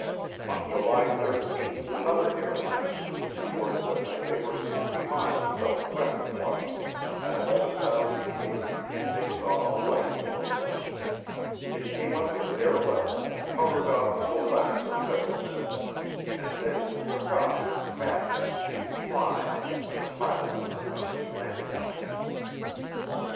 On July 13 another airliner crew reported that when they were 60 miles southwest of Washington, at 11,000 feet, they saw a light below them. It came up to their level, hovered off to the left for several minutes, and then it took off in a fast, steep climb when the pilot turned on his landing lights.